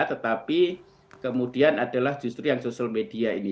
tapi kemudian adalah justru yang sosial media ini